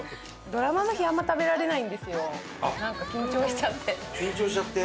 ドラマの日あんま食べられないんですよなんか緊張しちゃって。